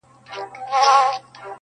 پر شب پرستو بدلګېږم ځکه.